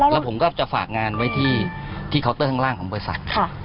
แล้วผมก็จะฝากงานไว้ที่เคาน์เตอร์ข้างล่างของบริษัท